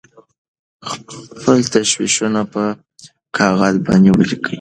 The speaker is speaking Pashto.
خپل تشویشونه په کاغذ باندې ولیکئ.